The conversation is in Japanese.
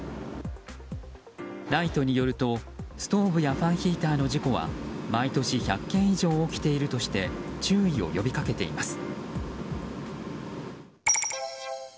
ＮＩＴＥによると、ストーブやファンヒーターの事故は毎年１００件以上起きているとして注意を呼びかけています。